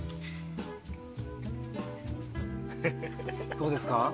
どうですか？